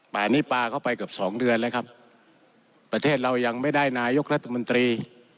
ป่านี้ปลาเข้าไปเกือบสองเดือนแล้วครับประเทศเรายังไม่ได้นายกรัฐมนตรี